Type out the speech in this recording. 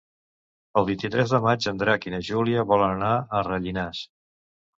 El vint-i-tres de maig en Drac i na Júlia volen anar a Rellinars.